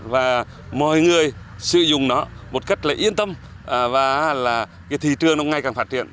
và mọi người sử dụng nó một cách yên tâm và thị trường nó ngay càng phát triển